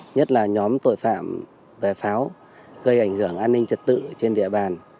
nhất là nhóm tội phạm về pháo gây ảnh hưởng an ninh trật tự trên địa bàn